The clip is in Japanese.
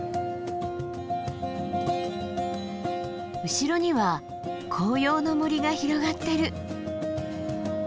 後ろには紅葉の森が広がってる。